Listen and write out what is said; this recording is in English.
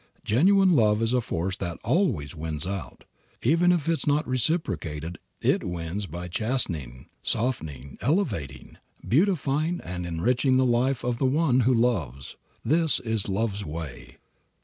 Genuine love is a force that always wins out. Even if it is not reciprocated it wins by chastening, softening, elevating, beautifying and enriching the life of the one who loves. THIS IS LOVE'S WAY.